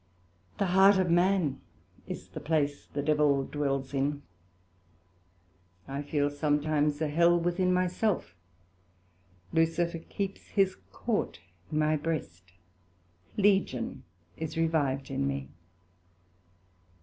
The heart of man is the place the Devils dwell in; I feel sometimes a Hell within my self; Lucifer keeps his Court in my breast; Legion is revived in me.